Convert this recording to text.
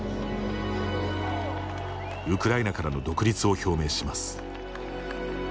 ウクライナからの独立を表明します。